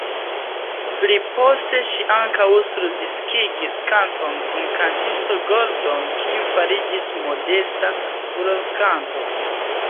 Pliposte ŝi ankaŭ surdiskigis kanton kun kantisto Gordon kiu fariĝis modesta furorkanto.